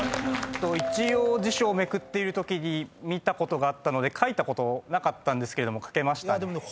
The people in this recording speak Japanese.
辞書をめくってるときに見たことがあったので書いたことなかったんですけれども書けましたね。